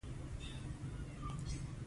زما لپاره به د پېښور مازدیګر رنګین وو.